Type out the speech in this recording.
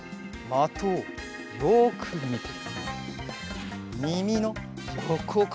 まとをよくみて。